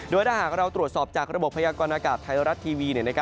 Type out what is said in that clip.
โดยถ้าหากเราตรวจสอบจากระบบพยากรณากาศไทยรัฐทีวี